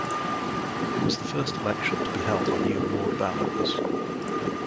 It was the first election to be held on new ward boundaries.